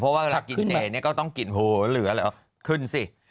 เพราะการกินเจนี่ก็ต้องกินโหเหลืออะไรขึ้นสิ